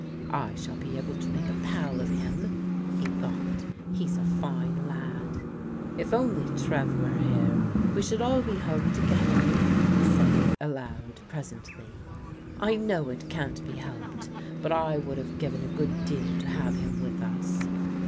"I shall be able to make a pal of him," he thought. "He's a fine lad. " If only Trev were here, we should all be home to gether," he said aloud presently. "I know it can't be helped, but I would have given a good deal to have him wii us."